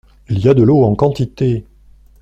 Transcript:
Il y a de l’eau en quantité.